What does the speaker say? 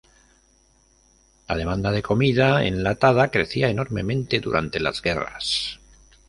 La demanda de comida enlatada crecía enormemente durante las guerras.